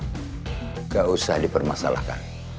enggak usah dipermasalahkan